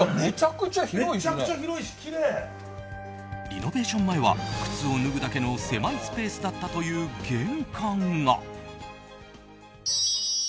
リノベーション前は靴を脱ぐだけの狭いスペースだったという玄関が。